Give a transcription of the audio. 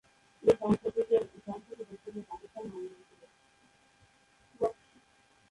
এই সংস্থাটি বিশ্বকে "পাকিস্তান" নাম দিয়েছিল।